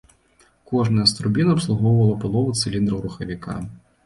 Кожная з турбін абслугоўвала палову цыліндраў рухавіка.